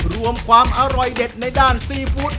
รวมความอร่อยเด็ดในด้านซีฟู้ด